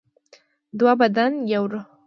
دوه بدن یو روح.